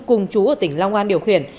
cùng chú ở tỉnh long an điều khiển